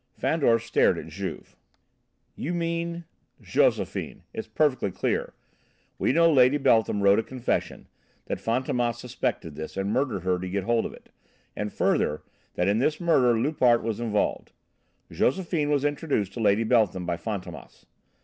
Fandor stared at Juve. "You mean " "Josephine. It's perfectly clear. We know Lady Beltham wrote a confession, that Fantômas suspected this and murdered her to get hold of it, and further that in this murder Loupart was involved. Josephine was introduced to Lady Beltham by Fantômas.